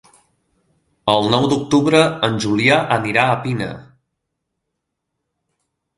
El nou d'octubre en Julià anirà a Pina.